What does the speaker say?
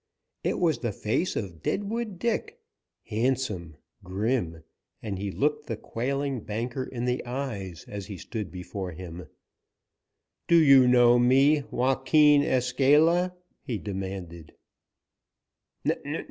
It was the face of Deadwood Dick, handsome, grim, and he looked the quailing banker in the eyes as he stood before him. "Do you know me, Joaquin Escala?" he demanded.